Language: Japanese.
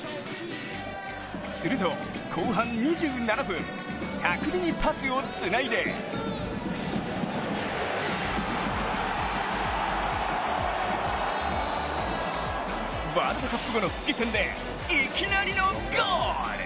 すると後半２７分巧みにパスをつないでワールドカップ後の復帰戦でいきなりのゴール！